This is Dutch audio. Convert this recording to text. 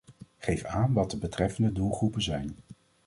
Geef aan wat de betreffende doelgroepen zijn.